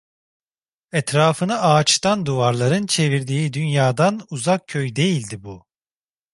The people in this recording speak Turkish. Etrafını ağaçtan duvarların çevirdiği, dünyadan uzak köy değildi bu…